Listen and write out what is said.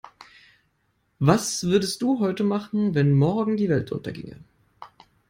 Was würdest du heute machen, wenn morgen die Welt unterginge?